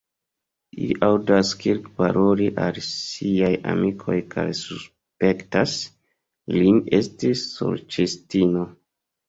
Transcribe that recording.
Ili aŭdas Kirk paroli al siaj amikoj kaj suspektas lin esti sorĉistino.